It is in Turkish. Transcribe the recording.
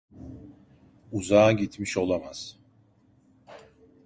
Uzağa gitmiş olamaz.